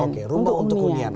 oke rumah untuk hunian